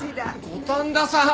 五反田さん！